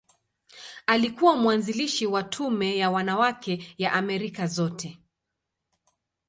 Alikuwa mwanzilishi wa Tume ya Wanawake ya Amerika Zote.